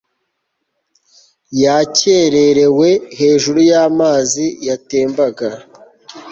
yakererewe hejuru y amazi yatembaga